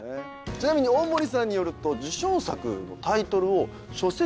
ちなみに大森さんによると。